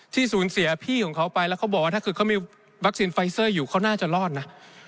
สูญเสียพี่ของเขาไปแล้วเขาบอกว่าถ้าเกิดเขามีวัคซีนไฟเซอร์อยู่เขาน่าจะรอดนะ